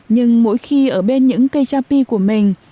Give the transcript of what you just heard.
nhưng mỗi khi ở bên những cây cha pi của mình